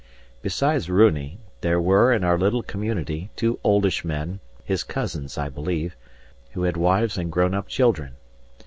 Besides Runi, there were, in our little community, two oldish men, his cousins I believe, who had wives and grown up children.